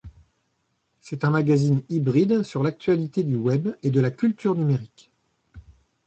C'est un magazine hybride sur l'actualité du web et de la culture numérique.